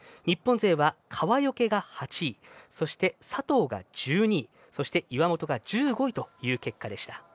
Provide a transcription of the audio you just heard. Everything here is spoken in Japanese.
日本勢は川除が８位そして佐藤が１２位岩本が１５位という結果でした。